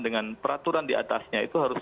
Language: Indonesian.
dengan peraturan diatasnya itu harus